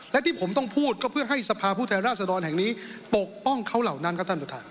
และที่ผมต้องพูดก็เพื่อให้สภาพผู้แทนราษฎรแห่งนี้ปกป้องเขาเหล่านั้นครับท่านประธาน